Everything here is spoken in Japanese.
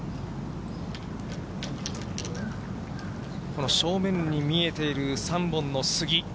この正面に見えている３本の杉。